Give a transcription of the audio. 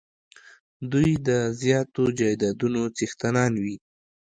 دوی د زیاتو جایدادونو څښتنان وي.